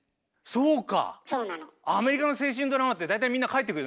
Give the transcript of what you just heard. そうか！